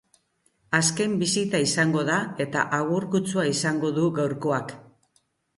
Azken bisita izango da, eta agur kutsua izango du gaurkoak.